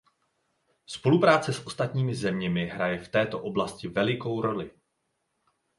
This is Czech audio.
Spolupráce s ostatními zeměmi hraje v této oblasti velikou roli.